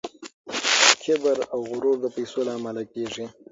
کبر او غرور د پیسو له امله کیږي.